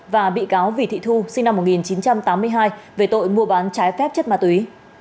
và bị cáo vì thị thu sinh năm một nghìn chín trăm tám mươi hai về tội mua bán trái phép chất ma túy